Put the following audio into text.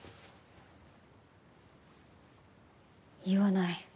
言わない。